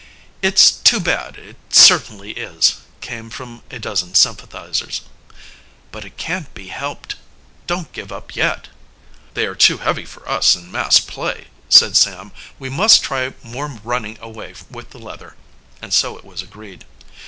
"It's too bad, it certainly is," came from a dozen sympathizers. "But it can't be helped. Don't give up yet." "They are too heavy for us in mass play," said Sam. "We must try more running away with the leather." And so it was agreed.